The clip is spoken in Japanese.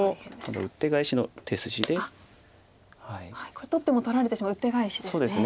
これ取っても取られてしまうウッテガエシですね。